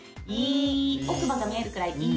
奥歯が見えるくらい「い」。